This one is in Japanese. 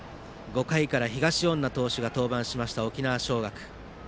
５回から東恩納投手が登板しました、沖縄尚学。